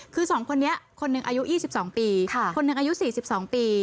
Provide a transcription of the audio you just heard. คือ๒คนนี้คนหนึ่งอายุ๒๒ปีคนหนึ่งอายุ๔๒ปี